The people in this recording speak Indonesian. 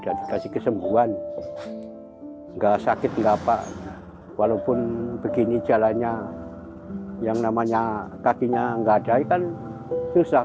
sudah dikasih kesembuhan nggak sakit nggak apa apa walaupun begini jalannya yang namanya kakinya nggak ada kan susah